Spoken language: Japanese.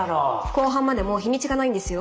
公判までもう日にちがないんですよ。